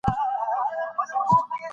دښتې د افغانستان د جغرافیوي تنوع مثال دی.